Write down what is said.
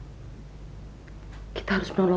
tapi itu sudah berarti